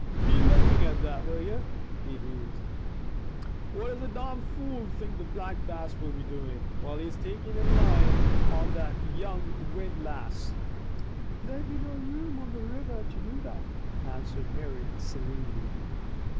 "Be lookin' at that, will ye?" he heaved. "What does the domn fool think the Black Bass will be doin' while he is takin' in line on that young windlass?" "There'd be no room on the river to do that," answered Mary serenely.